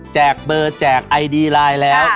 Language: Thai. เบอร์แจกไอดีไลน์แล้ว